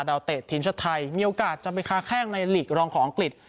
เตะทีมชาติไทยมีโอกาสจะไปค้าแข้งในหลีกรองของอังกฤษ